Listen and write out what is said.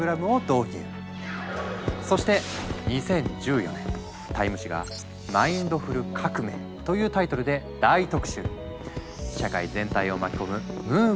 そして２０１４年「ＴＩＭＥ」誌が「マインドフル革命」というタイトルで大特集！